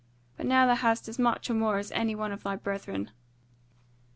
But now thou hast as much or more as any one of thy brethren."